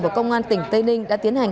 và công an tỉnh tây ninh đã tiến hành